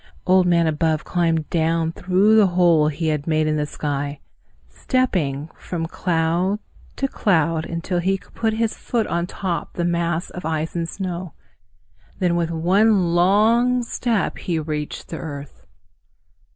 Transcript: Old Man Above climbed down through the hole he had made in the sky, stepping from cloud to cloud, until he could put his foot on top the mass of ice and snow. Then with one long step he reached the earth.